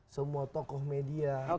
semua tokoh media